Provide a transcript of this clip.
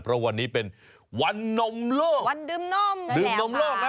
เพราะวันนี้เป็นวันนมโลกวันดื่มนมดื่มนมโลกนะ